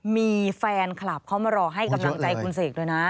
มีแฟนคลับเขามารอให้กำลังใจคุณเสกด้วยนะ